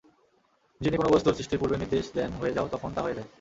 যিনি কোন বস্তুর সৃষ্টির পূর্বে নির্দেশ দেন হয়ে যাও তখন তা হয়ে যায়।